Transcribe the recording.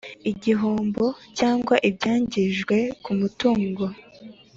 igihombo cyangwa ibyangijwe ku mutungo